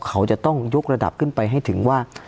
เขาจะต้องยกระดับขึ้นไปให้ถึงว่า